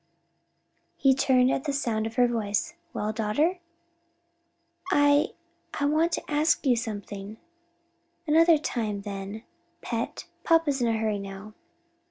He turned at the sound of her voice. "Well daughter?" "I I just want to ask you something." "Another time then, pet, papa's in a hurry now."